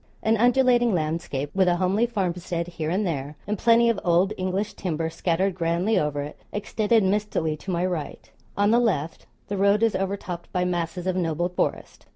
An undulating landscape, with a homely farmstead here and there, and plenty of old English timber scattered grandly over it, extended mistily to my right; on the left the road is overtopped by masses of noble forest.